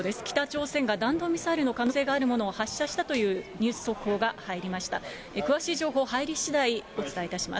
北朝鮮が弾道ミサイルの可能性があるものを発射したというニュース速報が入りました。